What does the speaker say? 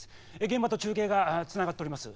現場と中継がつながっております。